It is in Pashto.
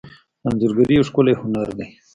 انځورګري یو ښکلی هنر دی.